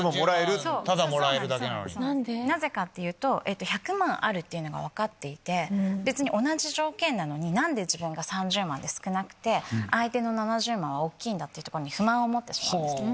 なぜかっていうと１００万あるっていうのが分かっていて別に同じ条件なのに何で自分が３０万で少なくて相手の７０万は大きいんだっていうとこに不満を持ってしまうんですね。